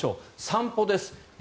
散歩です。